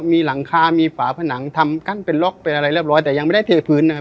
มีหลังคามีฝาผนังทำกั้นเป็นล็อกเป็นอะไรเรียบร้อยแต่ยังไม่ได้เทพื้นนะครับ